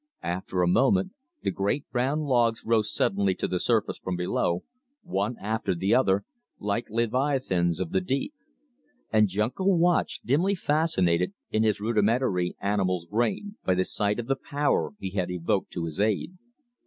After a moment the great brown logs rose suddenly to the surface from below, one after the other, like leviathans of the deep. And Junko watched, dimly fascinated, in his rudimentary animal's brain, by the sight of the power he had evoked to his aid.